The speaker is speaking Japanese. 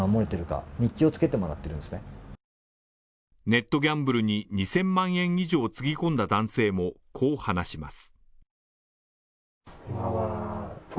ネットギャンブルに２０００万円以上をつぎ込んだ男性も、こう話します。